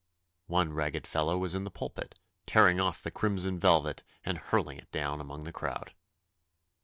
One ragged fellow was in the pulpit, tearing off the crimson velvet and hurling it down among the crowd.